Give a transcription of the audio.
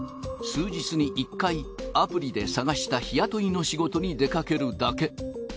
数日に１回アプリで探した日雇いの仕事に出かけるだけ。